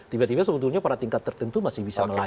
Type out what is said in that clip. tiba tiba sebetulnya pada tingkat tertentu masih bisa melaju